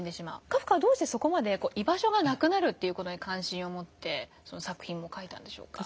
カフカはどうしてそこまで「居場所がなくなる」という事に関心を持って作品を書いたんでしょうか？